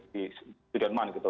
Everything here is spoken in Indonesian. di jerman gitu